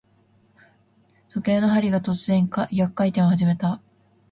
時計の針が、突然逆回転を始めた。